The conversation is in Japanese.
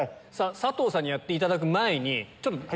佐藤さんにやっていただく前に。